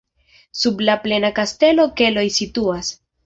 Sub la plena kastelo keloj situas.